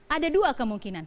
ada dua kemungkinan